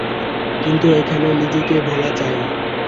কিন্তু এখানে নিজেকে ভোলা চাই।